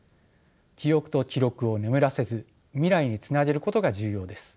記憶と記録を眠らせず未来につなげることが重要です。